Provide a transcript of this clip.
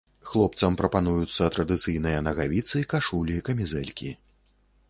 Хлопцам прапануюцца традыцыйныя нагавіцы, кашулі, камізэлькі.